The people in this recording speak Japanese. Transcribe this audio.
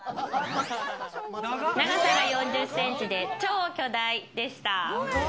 長さが４０センチで超巨大でした。